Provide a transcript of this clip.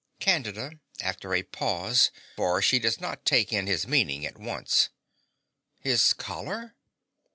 CANDIDA (after a pause; for she does not take in his meaning at once). His collar!